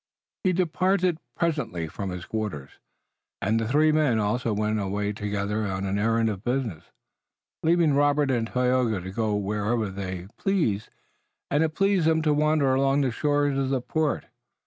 He departed presently for his quarters, and the three men also went away together on an errand of business, leaving Robert and Tayoga to go whithersoever they pleased and it pleased them to wander along the shores of the port.